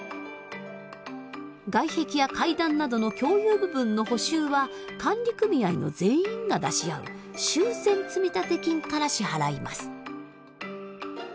外壁や階段などの共有部分の補修は管理組合の全員が出し合う「修繕積立金」から支払います。